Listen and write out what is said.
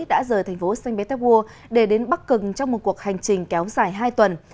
đã rời thành phố sanbetaur để đến bắc cừng trong một cuộc hành trình kéo dài hai tuần